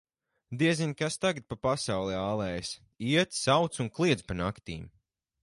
Diezin, kas tagad pa pasauli ālējas: iet, sauc un kliedz pa naktīm.